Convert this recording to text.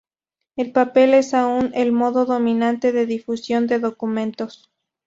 El papel es aún el modo dominante de difusión de documentos.